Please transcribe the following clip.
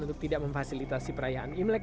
untuk tidak memfasilitasi perayaan imlek